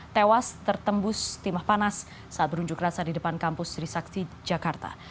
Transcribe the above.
tewas tertembus timah panas saat berunjuk rasa di depan kampus trisakti jakarta